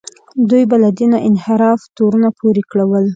دوی به له دینه د انحراف تورونه پورې کول.